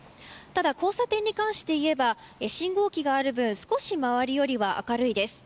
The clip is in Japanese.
交差点に関していえば信号機がある分少し周りよりは明るいです。